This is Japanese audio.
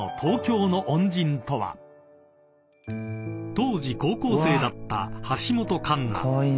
［当時高校生だった橋本環奈］